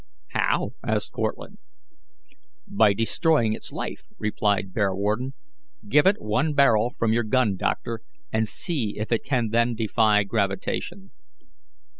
"How?" asked Cortlandt. "By destroying its life," replied Bearwarden. "Give it one barrel from your gun, doctor, and see if it can then defy gravitation."